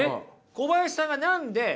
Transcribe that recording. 小林さんが何でこのね